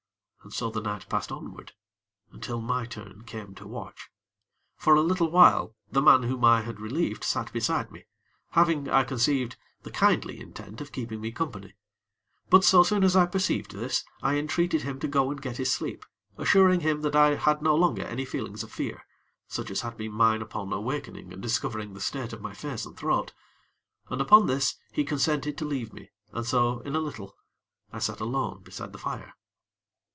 And so the night passed onward, until my turn came to watch. For a little while, the man whom I had relieved sat beside me; having, I conceived, the kindly intent of keeping me company; but so soon as I perceived this, I entreated him to go and get his sleep, assuring him that I had no longer any feelings of fear such as had been mine upon awakening and discovering the state of my face and throat and, upon this, he consented to leave me, and so, in a little, I sat alone beside the fire.